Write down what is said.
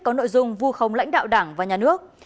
có nội dung vu khống lãnh đạo đảng và nhà nước